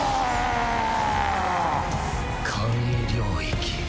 「簡易領域」。